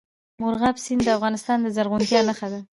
مورغاب سیند د افغانستان د زرغونتیا نښه ده.